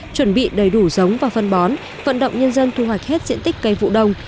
chuẩn bị đầy đủ giống và phân bón vận động nhân dân thu hoạch hết diện tích cây vụ đông